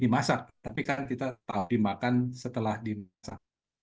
dimasak tapi kan kita dimakan setelah dimasak